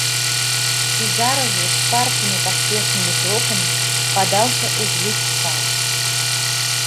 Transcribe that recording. І зараз жа шпаркімі паспешнымі крокамі падаўся ў глыб саду.